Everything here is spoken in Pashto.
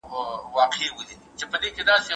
کېدای سي انځور تاريک وي!!